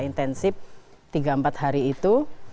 intensif tiga empat hari itu